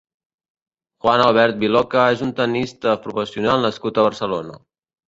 Juan Albert Viloca és un tennista professional nascut a Barcelona.